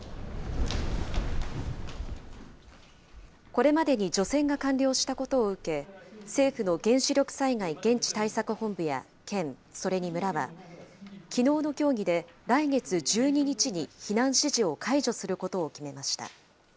これまでに除染が完了したことを受け、政府の原子力災害現地対策本部や県、それに村は、きのうの協議で来月１２日に避難指示を解除することを決めました。